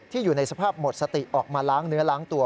อยู่ในสภาพหมดสติออกมาล้างเนื้อล้างตัว